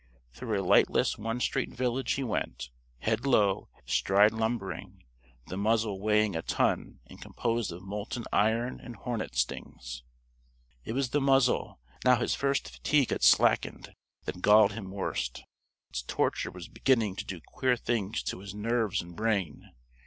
Through a lightless one street village he went, head low, stride lumbering, the muzzle weighing a ton and composed of molten iron and hornet stings. It was the muzzle now his first fatigue had slackened that galled him worst. Its torture was beginning to do queer things to his nerves and brain.